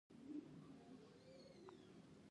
د لښکر ایستلو لګښتونو کورنۍ ستونزې ورځ په ورځ زیاتولې.